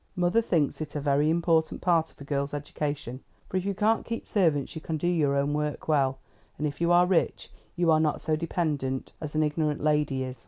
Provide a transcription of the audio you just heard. Mother thinks it a very important part of a girl's education; for if you can't keep servants you can do your own work well, and if you are rich you are not so dependent as an ignorant lady is.